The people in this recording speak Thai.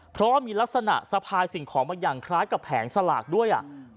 เพราะว่ามีลักษณะสะพายสิ่งของบางอย่างคล้ายกับแผงสลากด้วย